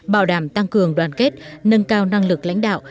bảo đảm tăng cường đoàn kết nâng cao năng lực lãnh đạo